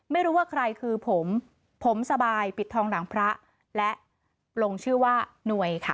ไม่รู้ว่าใครคือผมผมสบายปิดทองหนังพระและลงชื่อว่าหน่วยค่ะ